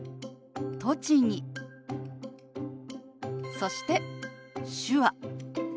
そして「手話」。